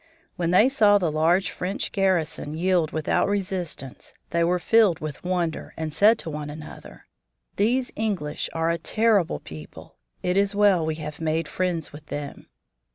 When they saw the large French garrison yield without resistance they were filled with wonder, and said to one another: "These English are a terrible people. It is well we have made friends with them."